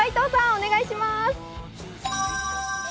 お願いします。